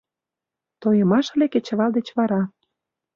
Тойымаш ыле кечывал деч вара.